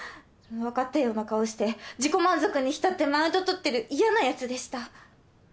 分かったような顔して自己満足に浸ってマウント取ってる嫌なやつでした。